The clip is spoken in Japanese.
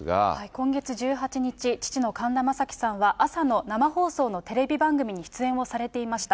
今月１８日、父の神田正輝さんは、朝の生放送のテレビ番組に出演をされていました。